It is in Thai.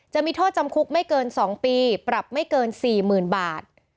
จะมีโทษจำคุกไม่เกินสองปีปรับไม่เกินสี่หมื่นบาท